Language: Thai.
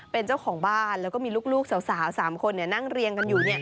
เป็นเจ้าของบ้านแล้วก็มีลูกสาว๓คนนั่งเรียงกันอยู่